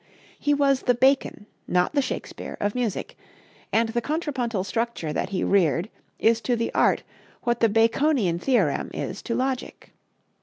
He was the Bacon, not the Shakespeare, of music, and the contrapuntal structure that he reared is to the art what the Baconian theorem is to logic.